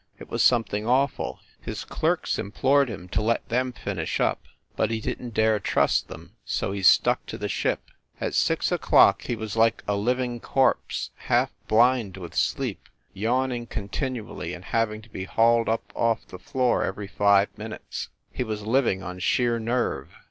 It was something awful. His clerks implored him to let them finish up, but he didn t dare trust them, so he stuck to the ship. At six o clock he was like a living corpse, half blind with sleep, yawning con tinually and having to be hauled up off the floor every five minutes. He was living on sheer nerve.